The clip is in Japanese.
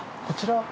こちら？